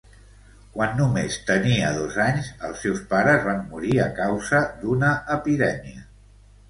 Quan només tenia dos anys, els seus pares van morir a causa d'una epidèmia.